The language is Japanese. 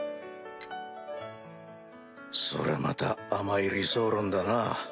それはまた甘い理想論だな。